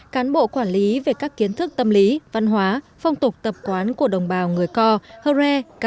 cán bộ quản lý về các kiến thức tâm lý giáo dục và đào tạo tổ chức